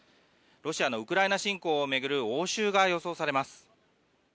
ロシアのウクライナ侵攻を巡る応酬が予想されます。